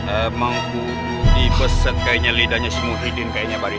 emang kudu dibesek kayaknya lidahnya si muhyiddin kayaknya bari